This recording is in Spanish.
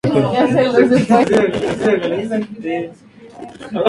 Por ejemplo: "Todo hombre es racional.